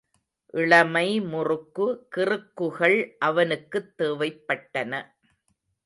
இளமை முறுக்கு கிறுக்குகள் அவனுக்குத் தேவைப்பட்டன.